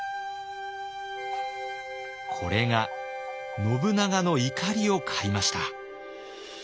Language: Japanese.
これが信長の怒りを買いました。